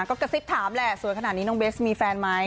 ก็กระซิบถามแหละสวยขนาดนี้น้องเบสมีแฟนไหม